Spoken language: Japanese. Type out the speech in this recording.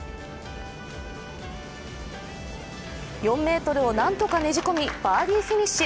４ｍを何とかねじ込み、バーディーフィニッシュ。